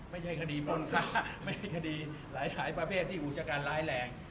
ไม่ใช่คดีมนค่าไม่ใช่คดีหลายประเภทที่อุจการร้ายแรง